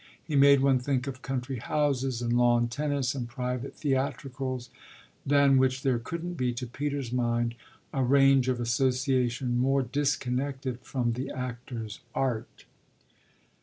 He made one think of country houses and lawn tennis and private theatricals; than which there couldn't be, to Peter's mind, a range of association more disconnected from the actor's art.